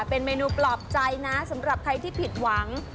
เป็นเมนูปลอบใจนะสำหรับใครที่ผิดหวัง